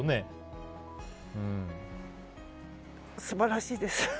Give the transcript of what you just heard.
素晴らしいです。